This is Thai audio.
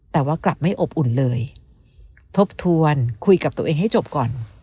แต่ว่ากลับไม่อบอุ่นเลยทบทวนคุยกับตัวเองให้จบก่อน